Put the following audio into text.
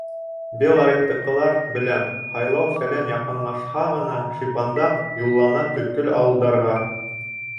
Белореттыҡылар, беләм, һайлау-фәлән яҡынлашһа ғына шипандап юллана төпкөл ауылдарға.